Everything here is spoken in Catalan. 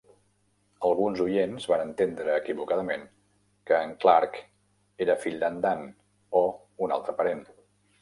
Alguns oients van entendre equivocadament que en Clarke era el fill d'en Dan, o un altre parent.